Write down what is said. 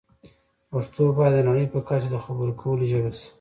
پښتو باید د نړۍ په کچه د خبرو کولو ژبه شي.